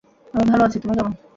আমি ভাল আছি, তুমি কেমন?